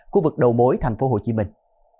khu vực đầu mối thành phố hồ chí minh